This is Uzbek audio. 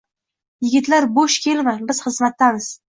Yigitlar, bo’sh kelmang, biz xizmatdamiz!